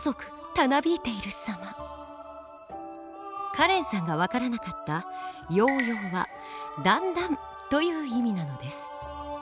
カレンさんが分からなかった「やうやう」は「だんだん」という意味なのです。